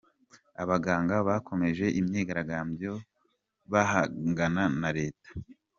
Abaganga bakomeje imyigaragambyo bahangana na Leta